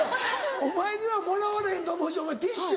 お前にはもらわれへんと思うしティッシュ